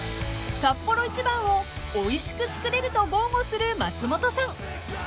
［サッポロ一番をおいしく作れると豪語する松本さん］